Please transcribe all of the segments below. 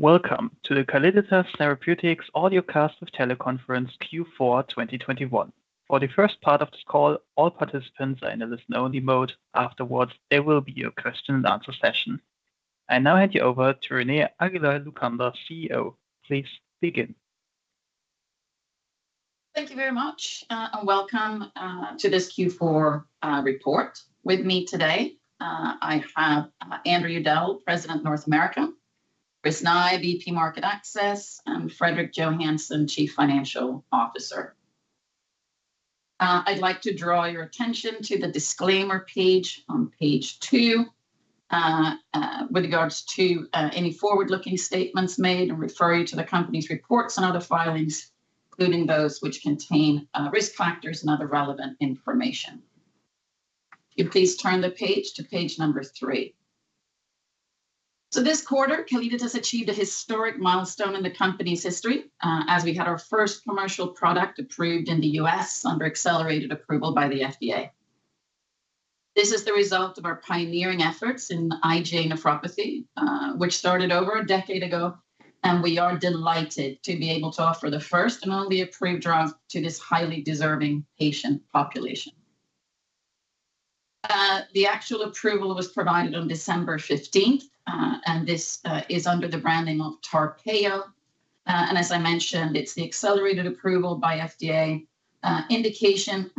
Welcome to the Calliditas Therapeutics audio cast of teleconference Q4 2021. For the first part of this call, all participants are in a listen only mode. Afterwards, there will be a question and answer session. I now hand you over to Renée Aguiar-Lucander, CEO. Please begin. Thank you very much and welcome to this Q4 report. With me today I have Andrew Udell, President, North America, Chris Nye, VP Market Access, and Fredrik Johansson, Chief Financial Officer. I'd like to draw your attention to the disclaimer page on page two with regards to any forward-looking statements made and refer you to the company's reports on other filings, including those which contain risk factors and other relevant information. If you please turn the page to page number three. This quarter, Calliditas achieved a historic milestone in the company's history as we had our first commercial product approved in the U.S. under accelerated approval by the FDA. This is the result of our pioneering efforts in IgA nephropathy, which started over a decade ago, and we are delighted to be able to offer the first and only approved drug to this highly deserving patient population. The actual approval was provided on December fifteenth, and this is under the branding of TARPEYO. As I mentioned, it's the accelerated approval by FDA. The indication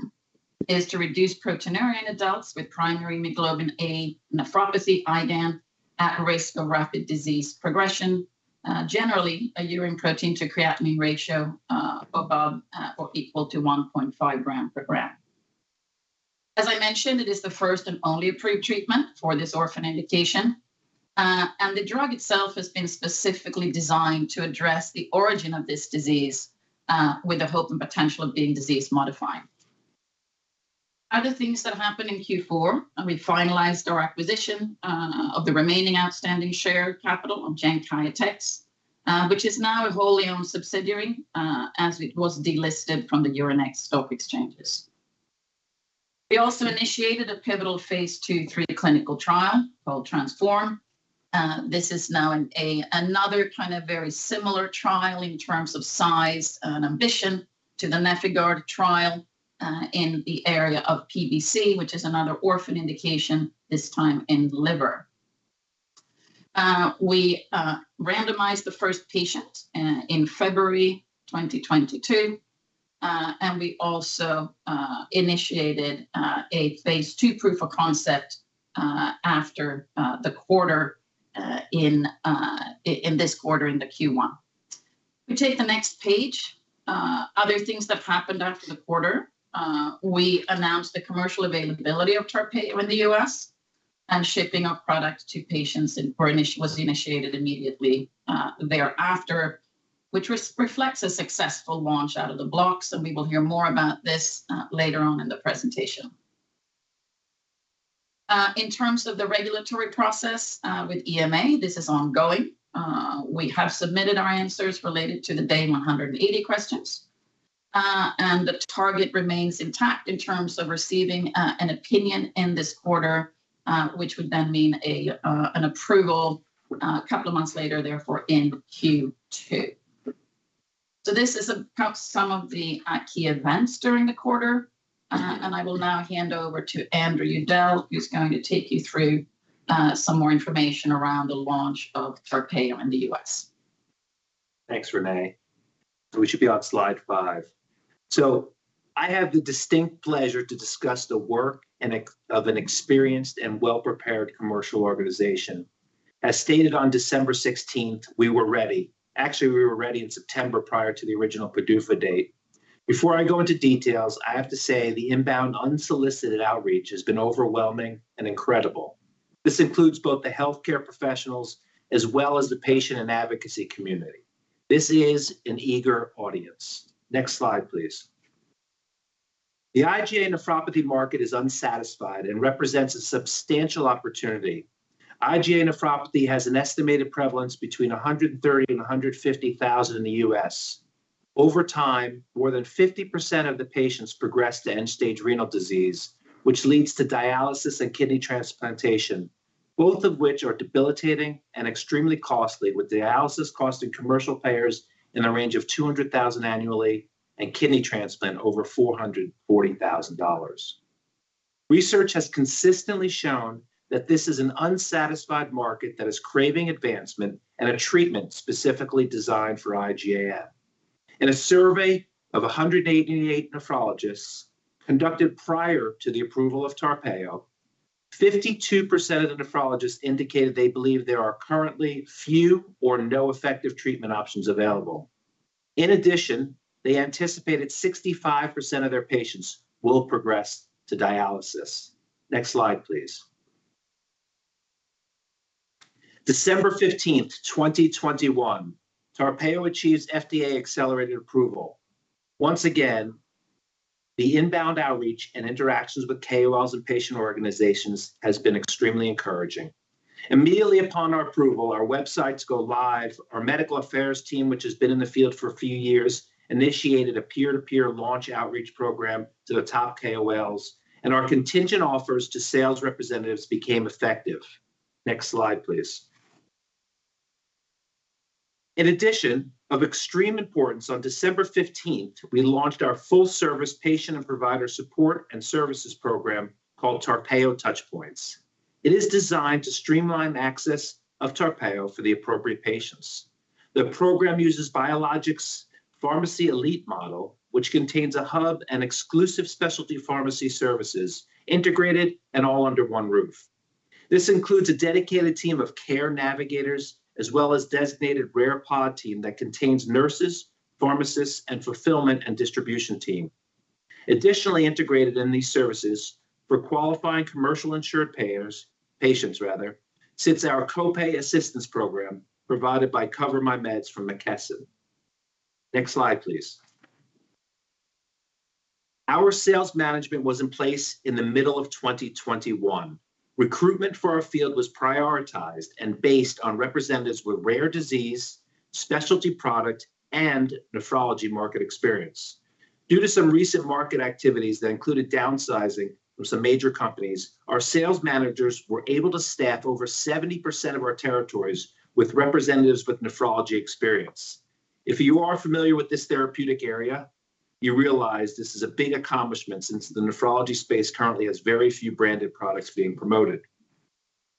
is to reduce proteinuria in adults with primary IgA nephropathy, IgAN, at risk of rapid disease progression. Generally, a urine protein to creatinine ratio above or equal to 1.5 gram per gram. As I mentioned, it is the first and only approved treatment for this orphan indication. The drug itself has been specifically designed to address the origin of this disease, with the hope and potential of being disease-modifying. Other things that happened in Q4, and we finalized our acquisition of the remaining outstanding share capital of Genkyotex, which is now a wholly owned subsidiary, as it was delisted from the Euronext stock exchanges. We also initiated a pivotal phase II/III clinical trial called TRANSFORM. This is now another kind of very similar trial in terms of size and ambition to the NefIgArd trial, in the area of PBC, which is another orphan indication, this time in liver. We randomized the first patient in February 2022, and we also initiated a phase II proof of concept after the quarter, in this quarter in the Q1. If you take the next page, other things that happened after the quarter, we announced the commercial availability of TARPEYO in the U.S., and shipping of product to patients was initiated immediately thereafter, which reflects a successful launch out of the blocks, and we will hear more about this later on in the presentation. In terms of the regulatory process with EMA, this is ongoing. We have submitted our answers related to the Day 180 questions. The target remains intact in terms of receiving an opinion in this quarter, which would then mean an approval a couple of months later, therefore in Q2. This is perhaps some of the key events during the quarter. I will now hand over to Andrew Udell, who's going to take you through some more information around the launch of TARPEYO in the U.S. Thanks, Renée. We should be on slide five. I have the distinct pleasure to discuss the work and execution of an experienced and well-prepared commercial organization. As stated on December 16th, we were ready. Actually, we were ready in September prior to the original PDUFA date. Before I go into details, I have to say the inbound unsolicited outreach has been overwhelming and incredible. This includes both the healthcare professionals as well as the patient and advocacy community. This is an eager audience. Next slide, please. The IgA nephropathy market is unsatisfied and represents a substantial opportunity. IgA nephropathy has an estimated prevalence between 130 and 150 thousand in the U.S. Over time, more than 50% of the patients progress to end-stage renal disease, which leads to dialysis and kidney transplantation, both of which are debilitating and extremely costly, with dialysis costing commercial payers in a range of $200,000 annually and kidney transplant over $440,000. Research has consistently shown that this is an unsatisfied market that is craving advancement and a treatment specifically designed for IgAN. In a survey of 188 nephrologists conducted prior to the approval of TARPEYO, 52% of the nephrologists indicated they believe there are currently few or no effective treatment options available. In addition, they anticipated 65% of their patients will progress to dialysis. Next slide, please. December 15, 2021, TARPEYO achieves FDA-accelerated approval. Once again, the inbound outreach and interactions with KOLs and patient organizations has been extremely encouraging. Immediately upon our approval, our websites go live. Our medical affairs team, which has been in the field for a few years, initiated a peer-to-peer launch outreach program to the top KOLs, and our contingent offers to sales representatives became effective. Next slide, please. In addition, of extreme importance, on December 15th, we launched our full-service patient and provider support and services program called TARPEYO Touchpoints. It is designed to streamline the access to TARPEYO for the appropriate patients. The program uses Biologics Pharmacy Elite models, which contains a hub and exclusive specialty pharmacy services integrated and all under one roof. This includes a dedicated team of care navigators, as well as designated rare pod team that contains nurses, pharmacists, and fulfillment and distribution team. Additionally integrated in these services for qualifying commercially insured payers, patients rather, sits our copay assistance program provided by CoverMyMeds from McKesson. Next slide, please. Our sales management was in place in the middle of 2021. Recruitment for our field was prioritized and based on representatives with rare disease, specialty product, and nephrology market experience. Due to some recent market activities that included downsizing from some major companies, our sales managers were able to staff over 70% of our territories with representatives with nephrology experience. If you are familiar with this therapeutic area, you realize this is a big accomplishment since the nephrology space currently has very few branded products being promoted.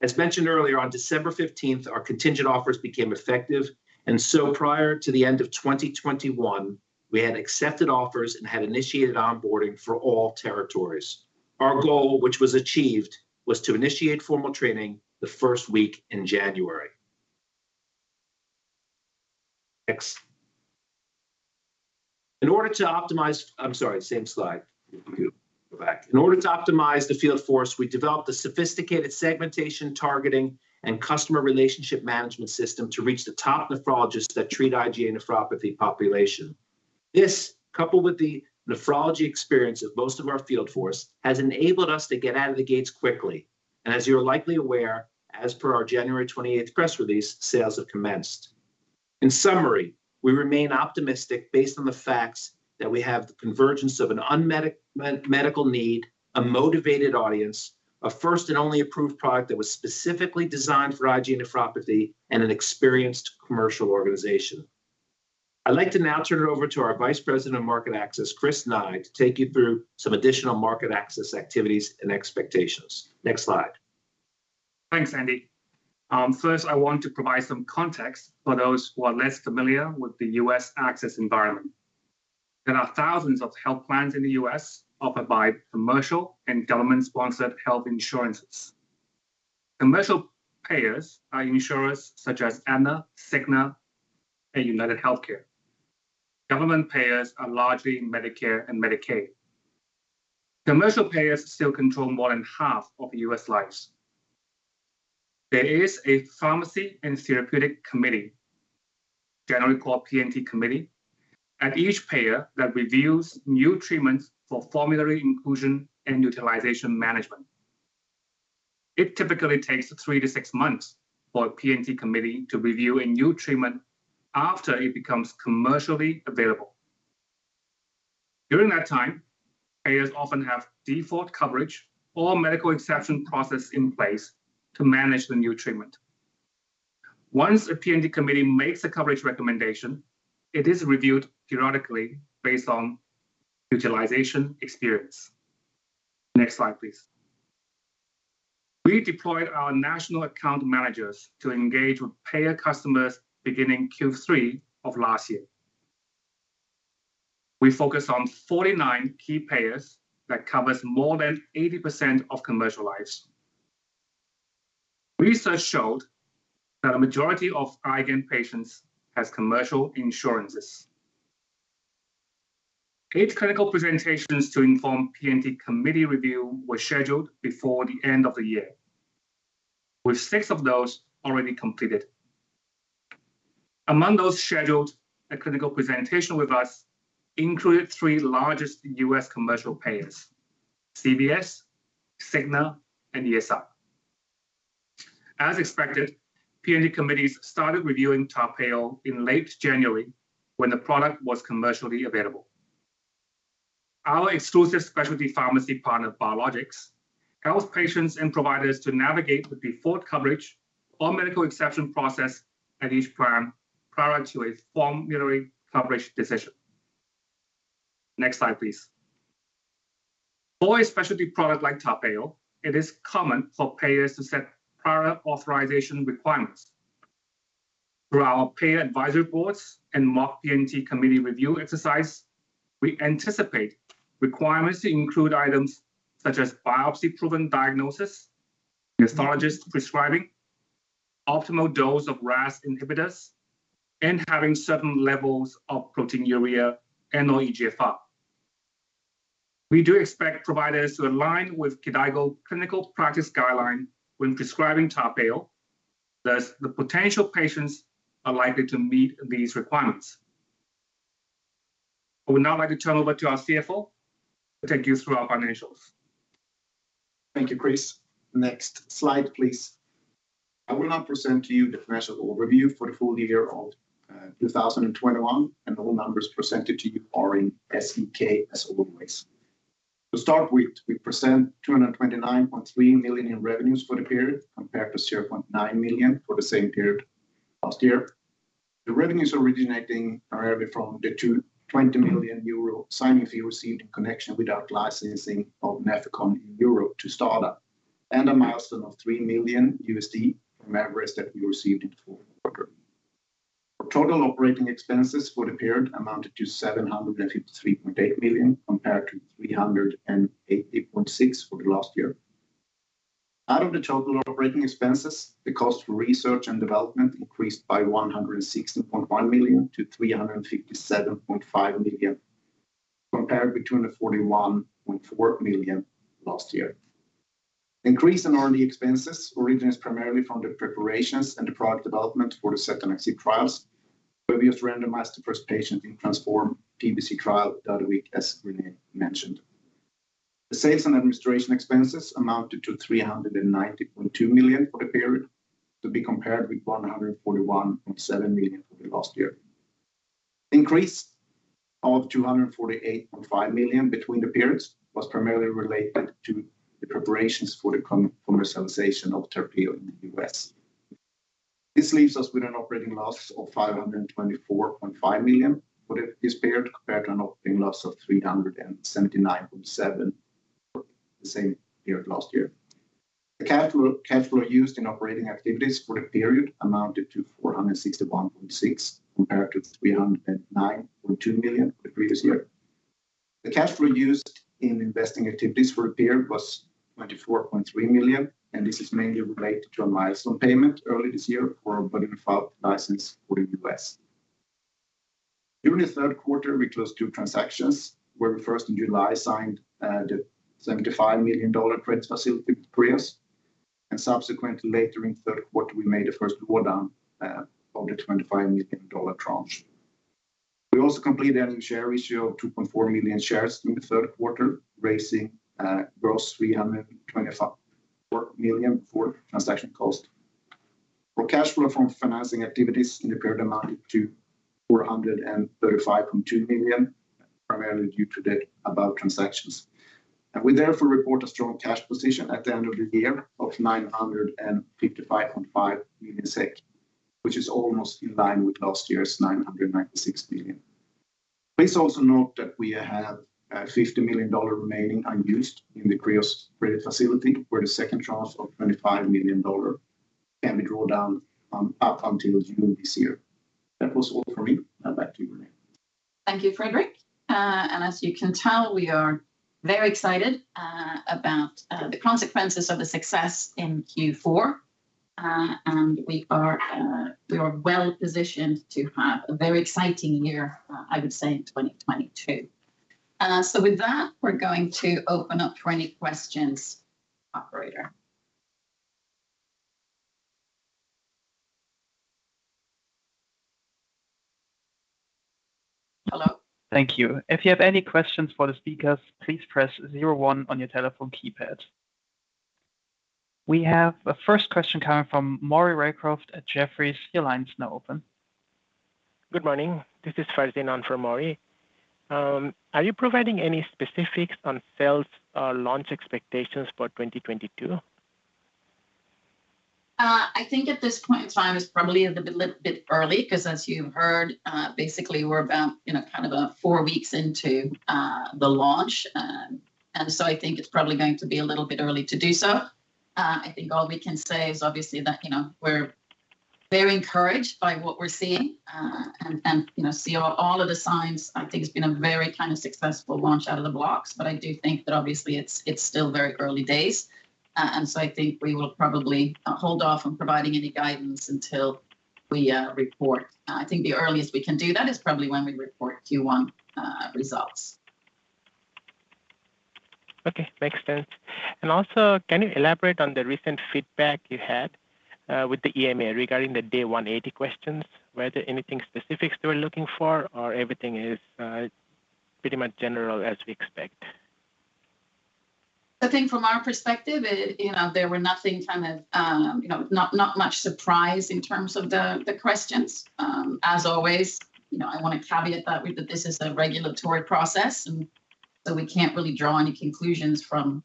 As mentioned earlier, on December 15, our contingent offers became effective, and so prior to the end of 2021, we had accepted offers and had initiated onboarding for all territories. Our goal, which was achieved, was to initiate formal training the first week in January. Next. I'm sorry, same slide. Go back. In order to optimize the field force, we developed a sophisticated segmentation targeting and customer relationship management system to reach the top nephrologists that treat IgA nephropathy population. This, coupled with the nephrology experience of most of our field force, has enabled us to get out of the gates quickly. As you're likely aware, as per our January 28th press release, sales have commenced. In summary, we remain optimistic based on the facts that we have the convergence of an unmet medical need, a motivated audience, a first and only approved product that was specifically designed for IgA nephropathy, and an experienced commercial organization. I'd like to now turn it over to our Vice President of Market Access, Chris Nye, to take you through some additional market access activities and expectations. Next slide. Thanks, Andy. First, I want to provide some context for those who are less familiar with the U.S. access environment. There are thousands of health plans in the U.S. offered by commercial and government-sponsored health insurances. Commercial payers are insurers such as Aetna, Cigna, and UnitedHealthcare. Government payers are largely Medicare and Medicaid. Commercial payers still control more than half of U.S. lives. There is a pharmacy and therapeutics committee, generally called P&T committee, at each payer that reviews new treatments for formulary inclusion and utilization management. It typically takes three to six months for a P&T committee to review a new treatment after it becomes commercially available. During that time, payers often have default coverage or medical exception process in place to manage the new treatment. Once a P&T committee makes a coverage recommendation, it is reviewed periodically based on utilization experience. Next slide, please. We deployed our national account managers to engage with payer customers beginning Q3 of last year. We focused on 49 key payers that covers more than 80% of commercial lives. Research showed that a majority of IgAN patients has commercial insurances. Eight clinical presentations to inform P&T committee review were scheduled before the end of the year, with six of those already completed. Among those scheduled, a clinical presentation with us included three largest U.S. commercial payers, CVS, Cigna, and ESI. As expected, P&T committees started reviewing TARPEYO in late January when the product was commercially available. Our exclusive specialty pharmacy partner, Biologics, helps patients and providers to navigate the default coverage or medical exception process at each plan prior to a formulary coverage decision. Next slide, please. For a specialty product like TARPEYO, it is common for payers to set prior authorization requirements. Through our payer advisory boards and mock P&T committee review exercise, we anticipate requirements to include items such as biopsy-proven diagnosis, neph prescribing, optimal dose of RAS inhibitors, and having certain levels of proteinuria and or eGFR. We do expect providers to align with KDIGO clinical practice guideline when prescribing TARPEYO, thus the potential patients are likely to meet these requirements. I would now like to turn over to our CFO to take you through our financials. Thank you, Chris. Next slide, please. I will now present to you the financial overview for the full year of 2021, and all numbers presented to you are in SEK, as always. To start with, we present 229.3 million in revenues for the period compared to 0.9 million for the same period last year. The revenues originating primarily from the 20 million euro signing fee received in connection with our licensing of Nefecon in Europe to STADA, and a milestone of $3 million from Everest that we received in the fourth quarter. Our total operating expenses for the period amounted to 753.8 million, compared to 388.6 million for the last year. Out of the total operating expenses, the cost for R&D increased by 160.1 million to 357.5 million, compared with 241.4 million last year. Increase in R&D expenses originates primarily from the preparations and the product development for the second XC trials, where we have randomized the first patient in TRANSFORM PBC trial the other week, as Renée mentioned. The sales and administration expenses amounted to 390.2 million for the period, to be compared with 141.7 million for the last year. Increase of 248.5 million between the periods was primarily related to the preparations for the commercialization of TARPEYO in the U.S. This leaves us with an operating loss of 524.5 million for this period, compared to an operating loss of 379.7 million for the same period last year. The capital used in operating activities for the period amounted to 461.6 million, compared to 309.2 million the previous year. The cash flow used in investing activities for the period was 24.3 million, and this is mainly related to a milestone payment early this year for when we filed the license for the U.S. During the third quarter, we closed two transactions, where we first in July signed the $75 million credit facility with Kreos, and subsequently later in Q3 we made the first draw down of the $25 million tranche. We also completed a new share issue of 2.4 million shares in the third quarter, raising gross 325.4 million for transaction cost. Our cash flow from financing activities in the period amounted to 435.2 million, primarily due to the above transactions. We therefore report a strong cash position at the end of the year of 955.5 million SEK, which is almost in line with last year's 996 million. Please also note that we have a $50 million remaining unused in the Kreos credit facility, where the second tranche of $25 million can be drawn down, up until June this year. That was all for me. Now back to you, Renée. Thank you, Fredrik. As you can tell, we are very excited about the consequences of the success in Q4. We are well-positioned to have a very exciting year, I would say, in 2022. With that, we're going to open up for any questions. Operator. Hello. Thank you. If you have any questions for the speakers, please press zero one on your telephone keypad. We have a first question coming from Maury Raycroft at Jefferies. Your line is now open. Good morning. This is [Faizin] on for Maury. Are you providing any specifics on sales or launch expectations for 2022? I think at this point in time it's probably a little bit early, 'cause as you heard, basically we're about, you know, kind of, four weeks into the launch. I think it's probably going to be a little bit early to do so. I think all we can say is obviously that, you know, we're very encouraged by what we're seeing, and you know we see all of the signs I think it's been a very kind of successful launch out of the blocks. I do think that obviously it's still very early days, and so I think we will probably hold off on providing any guidance until we report. I think the earliest we can do that is probably when we report Q1 results. Okay. Makes sense. Also, can you elaborate on the recent feedback you had with the EMA regarding the Day 180 questions? Were there anything specifics they were looking for, or everything is pretty much general as we expect? I think from our perspective, you know, there was not much surprise in terms of the questions. As always, you know, I wanna caveat that with the fact that this is a regulatory process and so we can't really draw any conclusions from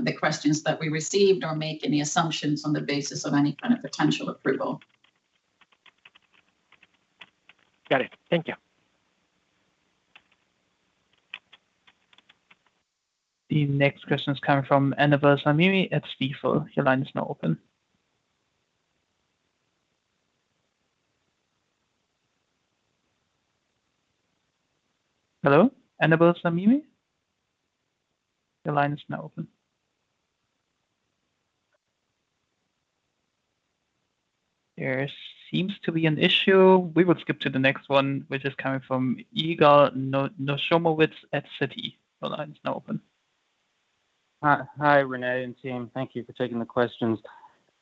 the questions that we received or make any assumptions on the basis of any kind of potential approval. Got it. Thank you. The next question is coming from Annabel Samimy at Stifel. Your line is now open. Hello, Annabel Samimy? Your line is now open. There seems to be an issue. We will skip to the next one, which is coming from Yigal Nochomovitz at Citi. Your line is now open. Hi. Hi, Renée and team. Thank you for taking the questions.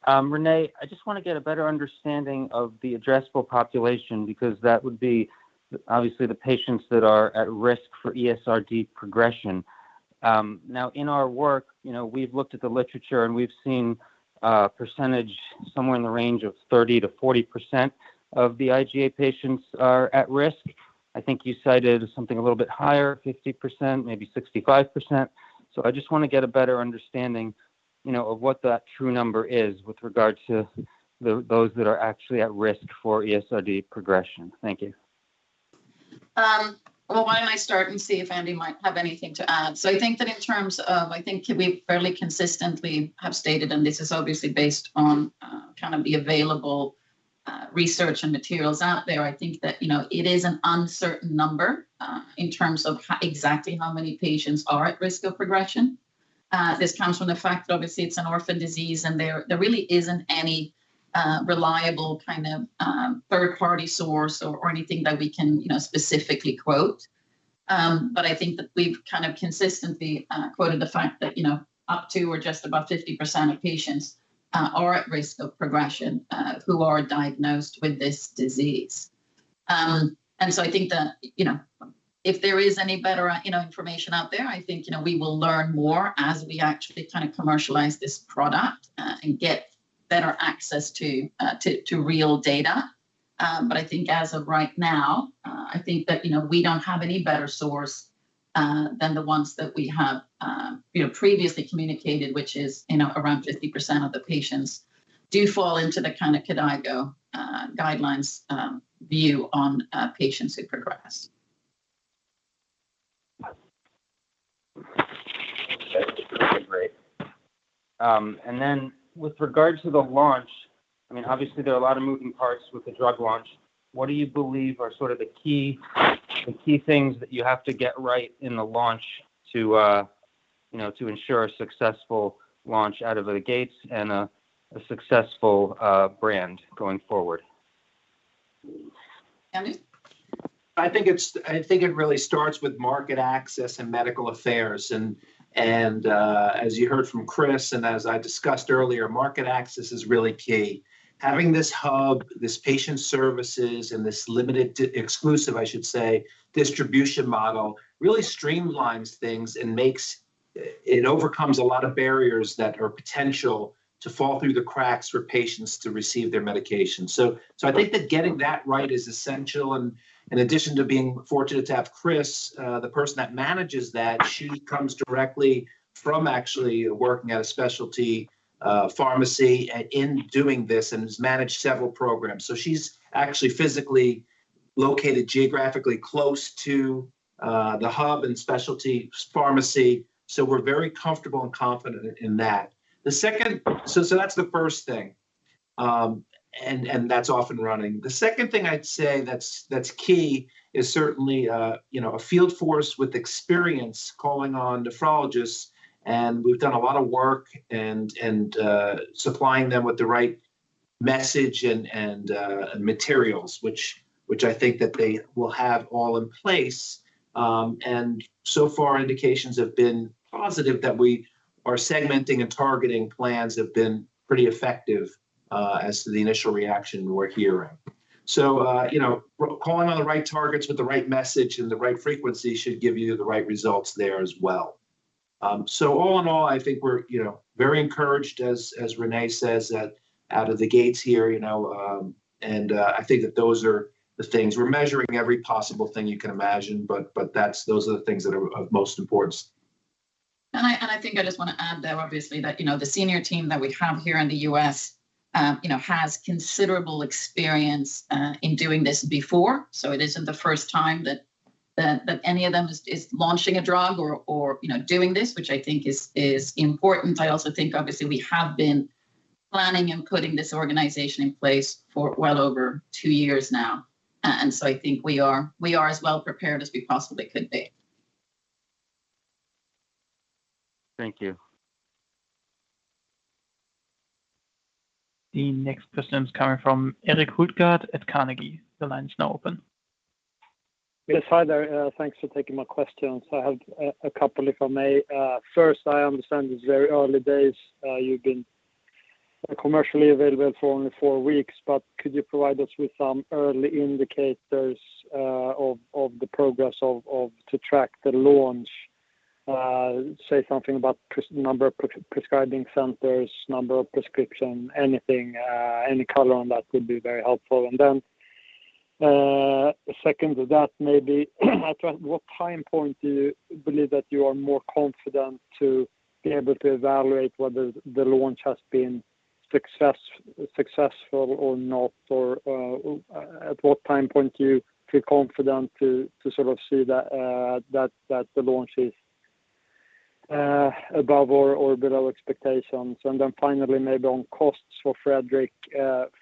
Renée, I just wanna get a better understanding of the addressable population, because that would be obviously the patients that are at risk for ESRD progression. Now, in our work, you know, we've looked at the literature and we've seen a percentage somewhere in the range of 30%-40% of the IgA patients are at risk. I think you cited something a little bit higher, 50%, maybe 65%. I just wanna get a better understanding You know what that true number is with regard to those that are actually at risk for ESRD progression. Thank you. Well, why don't I start and see if Andy might have anything to add? I think that in terms of I think we fairly consistently have stated, and this is obviously based on, kind of the available, research and materials out there. I think that, you know, it is an uncertain number, in terms of exactly how many patients are at risk of progression. This comes from the fact that obviously it's an orphan disease, and there really isn't any, reliable kind of, third party source or anything that we can, you know, specifically quote. But I think that we've kind of consistently, quoted the fact that, you know, up to or just above 50% of patients, are at risk of progression, who are diagnosed with this disease. I think that, you know, if there is any better, you know, information out there, I think, you know, we will learn more as we actually kind of commercialize this product, and get better access to real data. I think as of right now, I think that, you know, we don't have any better source than the ones that we have, you know, previously communicated, which is, you know, around 50% of the patients do fall into the kind of KDOQI guidelines view on patients who progress. That's great. With regards to the launch, I mean, obviously there are a lot of moving parts with the drug launch. What do you believe are sort of the key things that you have to get right in the launch to you know, to ensure a successful launch out of the gates and a successful brand going forward? Andy. I think it really starts with market access and medical affairs. As you heard from Chris, and as I discussed earlier, market access is really key. Having this hub, this patient services and this limited to exclusive, I should say, distribution model really streamlines things and makes it overcome a lot of barriers that are potential to fall through the cracks for patients to receive their medication. I think that getting that right is essential. In addition to being fortunate to have Chris, the person that manages that, she comes directly from actually working at a specialty pharmacy and in doing this and has managed several programs. She's actually physically located geographically close to the hub and specialty pharmacy. We're very comfortable and confident in that. That's the first thing. That's off and running. The second thing I'd say that's key is certainly, you know, a field force with experience calling on nephrologists, and we've done a lot of work and supplying them with the right message and materials, which I think that they will have all in place. So far indications have been positive that we are segmenting and targeting plans have been pretty effective, as to the initial reaction we're hearing. You know, calling on the right targets with the right message and the right frequency should give you the right results there as well. All in all, I think we're, you know, very encouraged, as Renée says, that out of the gates here, you know, and I think that those are the things. We're measuring every possible thing you can imagine, but those are the things that are of most importance. I think I just wanna add there obviously that, you know, the senior team that we have here in the U.S., you know, has considerable experience in doing this before. It isn't the first time that any of them is launching a drug or, you know, doing this, which I think is important. I also think obviously we have been planning and putting this organization in place for well over two years now. I think we are as well prepared as we possibly could be. Thank you. The next question is coming from Erik Hultgård at Carnegie. The line is now open. Yes. Hi there. Thanks for taking my questions. I have a couple if I may. First, I understand it's very early days. You've been commercially available for only four weeks, but could you provide us with some early indicators of the progress to track the launch? Say something about number of prescribing centers, number of prescriptions, anything, any color on that would be very helpful. Second to that maybe, at what time point do you believe that you are more confident to be able to evaluate whether the launch has been successful or not? At what time point do you feel confident to sort of see that the launch is above or below expectations? Finally, maybe on costs for Fredrik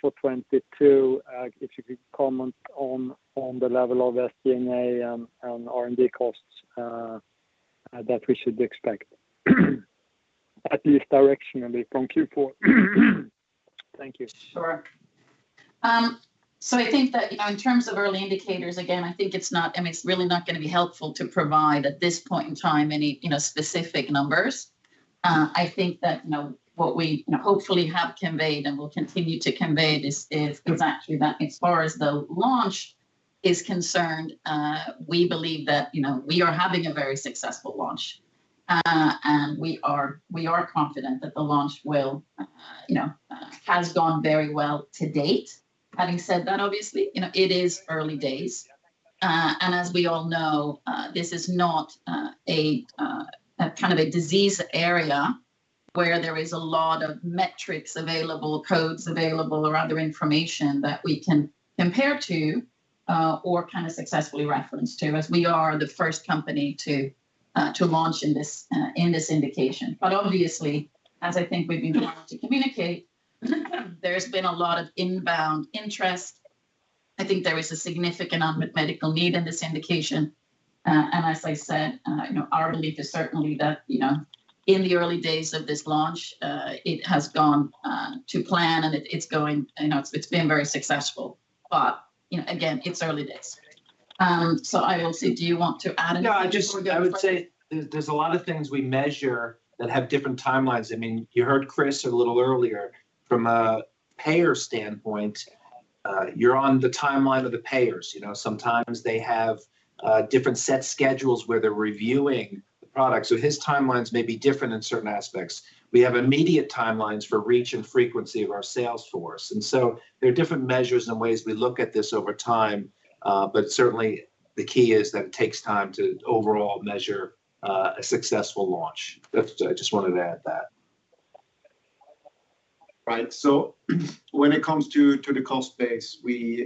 for 2022, if you could comment on the level of SG&A and R&D costs that we should expect at least directionally from Q4. Thank you. Sure. So I think that, you know, in terms of early indicators, again, I think it's not I mean, it's really not gonna be helpful to provide at this point in time any, you know, specific numbers. I think that, you know, what we, you know, hopefully have conveyed and will continue to convey this is exactly that as far as the launch is concerned, we believe that, you know, we are having a very successful launch. We are confident that the launch has gone very well to date. Having said that, obviously, you know, it is early days, and as we all know, this is not a kind of a disease area where there is a lot of metrics available, codes available, or other information that we can compare to, or kind of successfully reference to, as we are the first company to launch in this indication. Obviously, as I think we've been trying to communicate, there's been a lot of inbound interest. I think there is a significant unmet medical need in this indication. As I said, you know, our belief is certainly that, you know, in the early days of this launch, it has gone to plan and it's going, you know, it's been very successful. You know, again, it's early days. I will see. Do you want to add anything before we go on? No, I would say there's a lot of things we measure that have different timelines. I mean, you heard Chris a little earlier. From a payer standpoint, you're on the timeline of the payers. You know, sometimes they have different set schedules where they're reviewing the product. So his timelines may be different in certain aspects. We have immediate timelines for reach and frequency of our sales force. There are different measures and ways we look at this over time, but certainly the key is that it takes time to overall measure a successful launch. I just wanted to add that. Right. When it comes to the cost base, we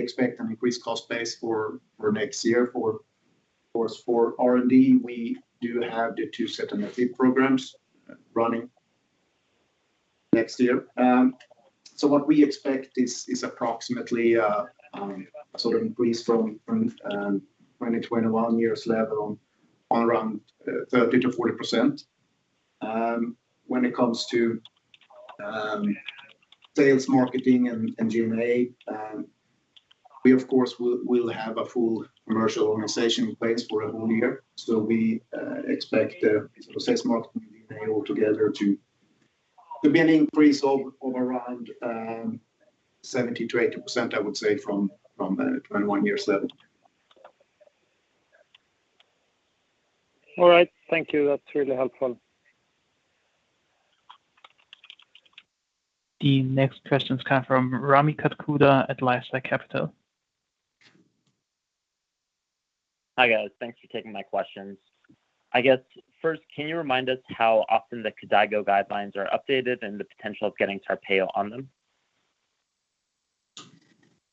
expect an increased cost base for next year for, of course, R&D. We do have the two setanaxib programs running next year. What we expect is approximately a sort of increase from 2021 year's level of around 30%-40%. When it comes to sales, marketing and G&A, we of course will have a full commercial organization in place for a whole year. We expect the sales, marketing, and G&A all together to be an increase of around 70%-80%, I would say, from the 2021 year level. All right. Thank you. That's really helpful. The next question's coming from Rami Katkhuda at LifeSci Capital. Hi, guys. Thanks for taking my questions. I guess, first, can you remind us how often the KDIGO guidelines are updated and the potential of getting TARPEYO on them?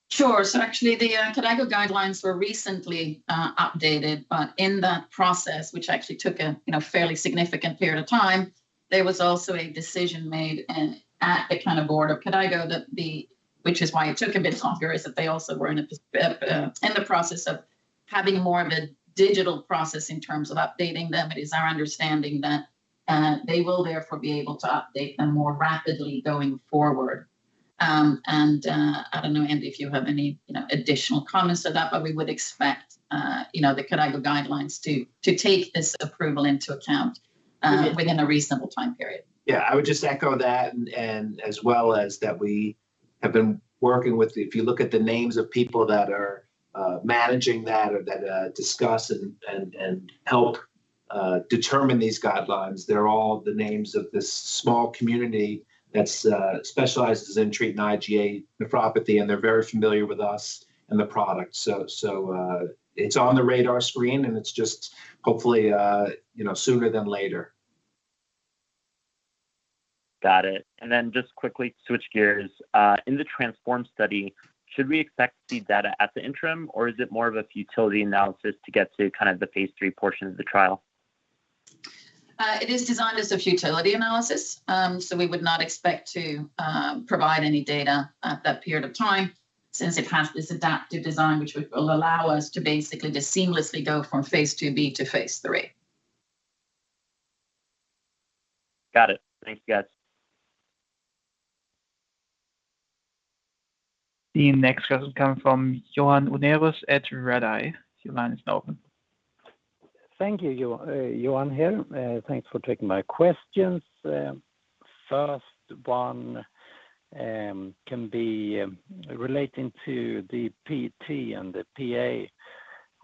Sure. Actually the KDIGO guidelines were recently updated. In that process, which actually took a you know fairly significant period of time, there was also a decision made at the kind of board of KDIGO. Which is why it took a bit longer, is that they also were in the process of having more of a digital process in terms of updating them. It is our understanding that they will therefore be able to update them more rapidly going forward. I don't know, Andy, if you have any you know additional comments to that, but we would expect you know the KDIGO guidelines to take this approval into account within a reasonable time period. Yeah. I would just echo that and as well as that we have been working with. If you look at the names of people that are managing that or discuss and help determine these guidelines, they're all the names of this small community that specializes in treating IgA nephropathy, and they're very familiar with us and the product. It's on the radar screen, and it's just hopefully you know, sooner than later. Got it. Just quickly switch gears. In the TRANSFORM study, should we expect to see data at the interim, or is it more of a futility analysis to get to kind of the phase III portion of the trial? It is designed as a futility analysis, so we would not expect to provide any data at that period of time since it has this adaptive design, which will allow us to basically just seamlessly go from phase IIb to phase III. Got it. Thanks, guys. The next question coming from Johan Unnérusat Redeye. Your line is now open. Thank you. Johan here. Thanks for taking my questions. First one, can be relating to the P&T and the PA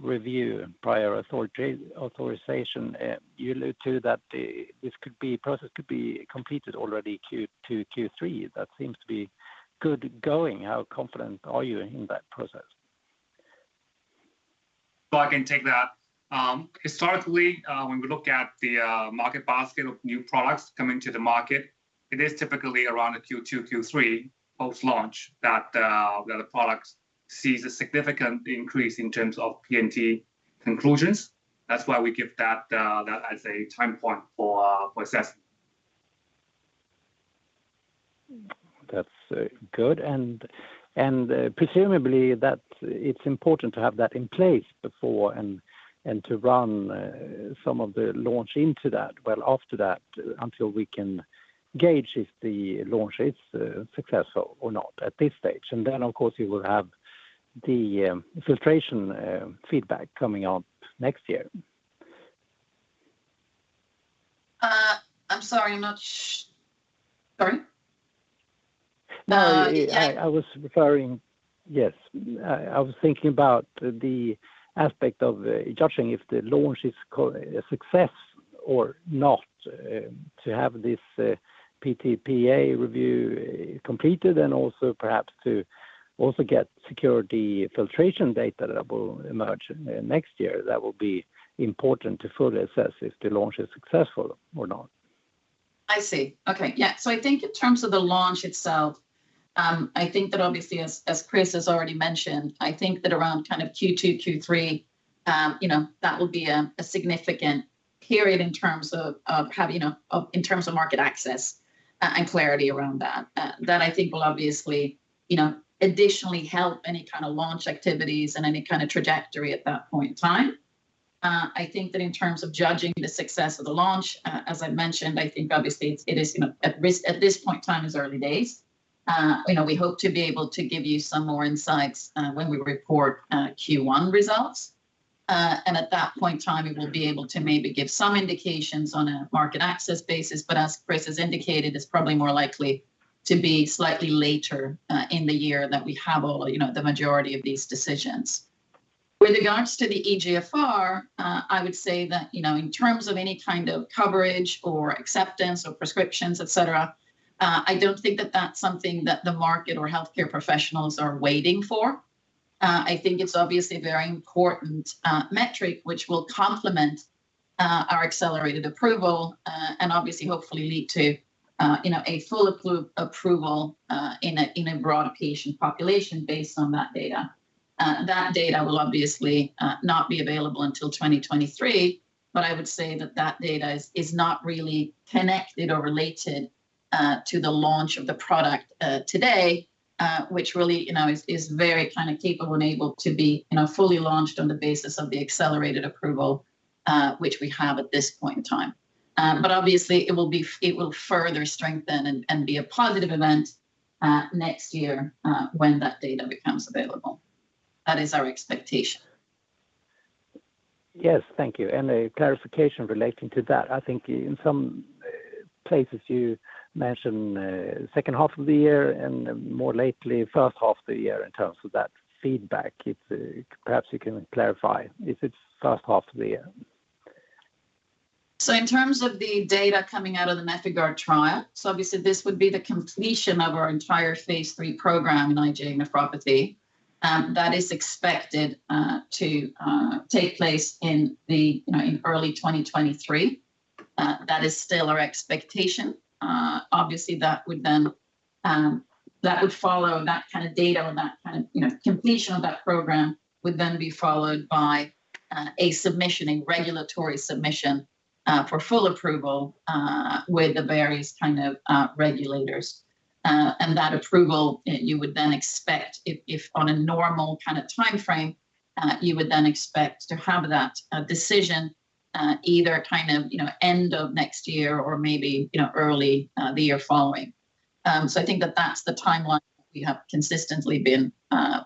review and prior authorization. You allude to that this process could be completed already Q2, Q3. That seems to be going good. How confident are you in that process? I can take that. Historically, when we look at the market basket of new products coming to the market, it is typically around a Q2, Q3 post-launch that the product sees a significant increase in terms of P&T conclusions. That's why we give that as a time point for assessment. That's good. Presumably that it's important to have that in place before and to run some of the launch into that. Well, after that, until we can gauge if the launch is successful or not at this stage. Of course, you will have the filtration feedback coming out next year. I'm sorry. Sorry? No, I was referring. Yes, I was thinking about the aspect of judging if the launch is a success or not to have this PTPA review completed and also perhaps to also get security filtration data that will emerge next year. That will be important to fully assess if the launch is successful or not. I see. Okay. Yeah. I think in terms of the launch itself, I think that obviously as Chris has already mentioned, I think that around kind of Q2, Q3, you know, that will be a significant period in terms of having, you know, in terms of market access, and clarity around that. That I think will obviously, you know, additionally help any kind of launch activities and any kind of trajectory at that point in time. I think that in terms of judging the success of the launch, as I mentioned, I think obviously it is, you know, at this point in time, it's early days. You know, we hope to be able to give you some more insights, when we report Q1 results. At that point in time we will be able to maybe give some indications on a market access basis. As Chris has indicated, it's probably more likely to be slightly later in the year that we have all, you know, the majority of these decisions. With regards to the eGFR, I would say that, you know, in terms of any kind of coverage or acceptance or prescriptions, et cetera, I don't think that that's something that the market or healthcare professionals are waiting for. I think it's obviously a very important metric which will complement our accelerated approval and obviously hopefully lead to, you know, a full approval in a broad patient population based on that data. That data will obviously not be available until 2023, but I would say that data is not really connected or related to the launch of the product today, which really, you know, is very kind of capable and able to be, you know, fully launched on the basis of the accelerated approval, which we have at this point in time. Obviously it will further strengthen and be a positive event next year, when that data becomes available. That is our expectation. Yes. Thank you. A clarification relating to that. I think in some places you mentioned second half of the year and then more lately first half of the year in terms of that feedback. If, perhaps you can clarify if it's first half of the year? In terms of the data coming out of the NefIgArd trial, obviously this would be the completion of our entire phase III program in IgA nephropathy that is expected to take place, you know, in early 2023. That is still our expectation. Obviously that would follow. That kind of data or completion of that program would then be followed by a regulatory submission for full approval with the various kind of regulators. That approval, you would then expect, if on a normal kind of timeframe, to have that decision, either kind of, you know, end of next year or maybe, you know, early the year following. I think that that's the timeline we have consistently been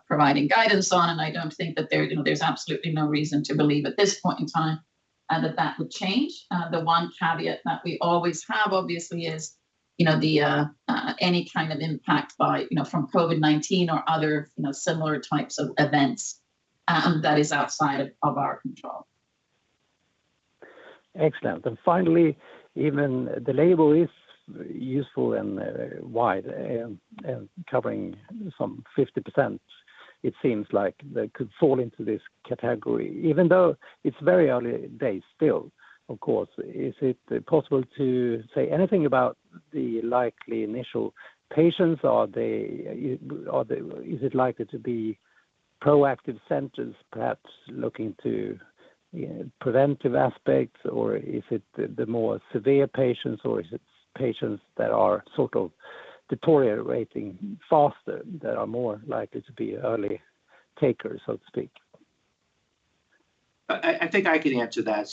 providing guidance on, and I don't think that there you know there's absolutely no reason to believe at this point in time that that would change. The one caveat that we always have obviously is you know the any kind of impact by you know from COVID-19 or other you know similar types of events that is outside of our control. Excellent. Finally, even the label is useful and wide and covering some 50% it seems like that could fall into this category. Even though it's very early days still, of course, is it possible to say anything about the likely initial patients? Are they, is it likely to be proactive centers perhaps looking to, you know, preventive aspects or is it the more severe patients or is it patients that are sort of deteriorating faster that are more likely to be early takers, so to speak? I think I can answer that.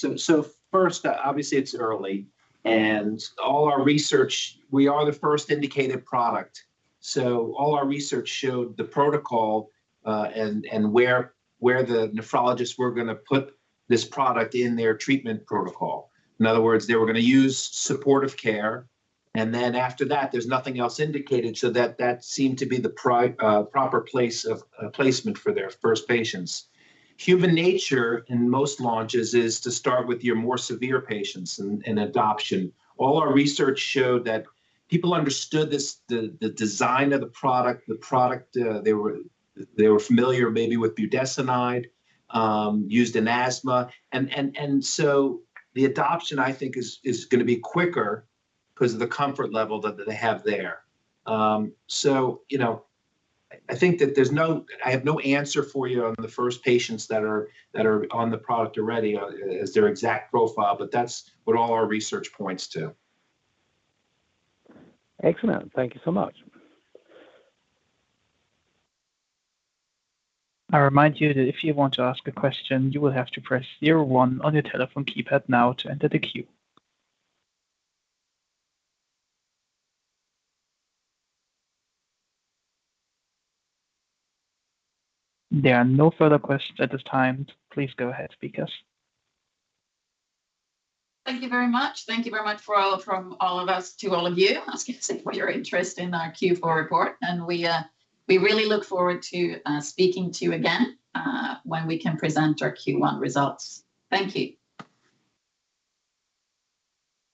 First, obviously it's early and all our research, we are the first indicated product. All our research showed the protocol and where the nephrologists were gonna put this product in their treatment protocol. In other words, they were gonna use supportive care and then after that there's nothing else indicated so that seemed to be the proper place of placement for their first patients. Human nature in most launches is to start with your more severe patients in adoption. All our research showed that people understood this, the design of the product, the product, they were familiar maybe with budesonide used in asthma. The adoption I think is gonna be quicker 'cause of the comfort level that they have there. You know, I think I have no answer for you on the first patients that are on the product already, as their exact profile, but that's what all our research points to. Excellent. Thank you so much. I remind you that if you want to ask a question, you will have to press zero one on your telephone keypad now to enter the queue. There are no further questions at this time. Please go ahead, speakers. Thank you very much. Thank you very much for all, from all of us to all of you. Thank you for your interest in our Q4 report and we really look forward to speaking to you again when we can present our Q1 results. Thank you.